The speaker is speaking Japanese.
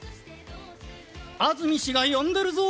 安住氏が呼んでるぞ。